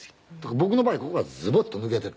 僕の場合ここがズボッと抜けているんです。